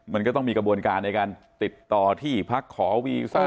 มันก็ต้องมีกระบวนการในการติดต่อที่พักขอวีซ่า